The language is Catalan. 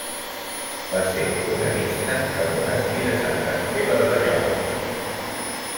Va ser organista del monestir de Sant Esteve de Banyoles.